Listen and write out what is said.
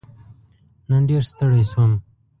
نن ډېر ستړی شوم.